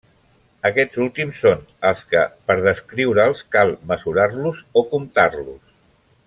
Aquests últims són els que, per descriure'ls, cal mesurar-los o comptar-los.